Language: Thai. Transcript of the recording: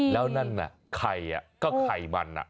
แล้วนั่นน่ะใครก็ใครบันน่ะ